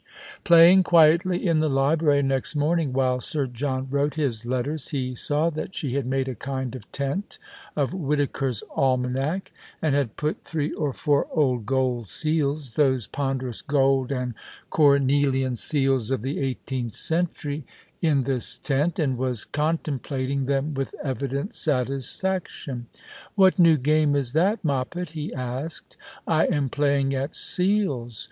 Playing quietly in the library next morning while Sir John wrote his letters, he saw that she had made a kind of tent of WliitaJcers Almanack, and had put three or fom* old gold seals — those ponderous gold and cornelian seals of the eighteenth century — in this tent, and was con templating them with evident satisfaction. " What new game is that. Moppet ?" he asked. " I am playing at seals."